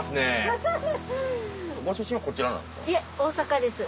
ご出身はこちらなんですか？